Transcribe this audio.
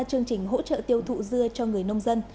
chương trình hỗ trợ tiêu thụ dưa cho người nông dân